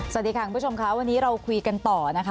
สวัสดีค่ะคุณผู้ชมค่ะวันนี้เราคุยกันต่อนะคะ